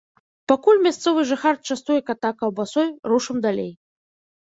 Пакуль мясцовы жыхар частуе ката каўбасой, рушым далей.